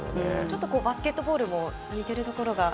バスケットボールも似ているところが。